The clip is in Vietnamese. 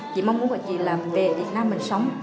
chị mong muốn là về việt nam mình sống